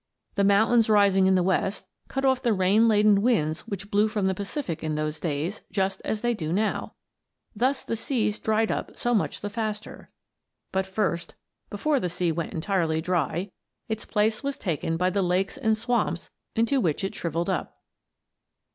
The mountains rising in the west, cut off the rain laden winds which blew from the Pacific in those days just as they do now. Thus the seas dried up so much the faster. But first, before the sea went entirely dry, its place was taken by the lakes and swamps into which it shrivelled up.